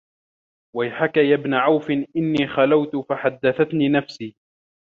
وَيْحَك يَا ابْنَ عَوْفٍ إنِّي خَلَوْت فَحَدَّثَتْنِي نَفْسِي